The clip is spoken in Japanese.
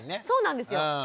そうなんですよ。